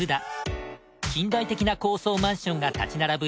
近代的な高層マンションが立ち並ぶ